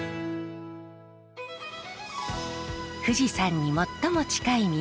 富士山に最も近い港